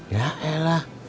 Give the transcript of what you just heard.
ya ya lah